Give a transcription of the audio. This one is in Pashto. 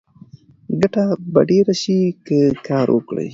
ګټه به ډېره شي که کار وکړې.